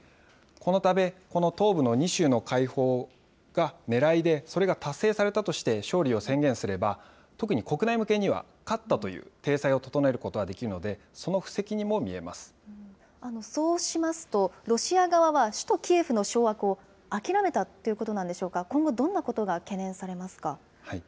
このため、この東部の２州の解放がねらいで、それが達成されたとして勝利を宣言すれば、特に国内向けには勝ったという体裁を整えることはできるので、その布石にそうしますと、ロシア側は首都キエフの掌握を諦めたということなんでしょうか、今後、どんなことが懸念されますか？